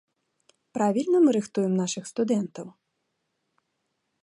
Правільна мы рыхтуем нашых студэнтаў?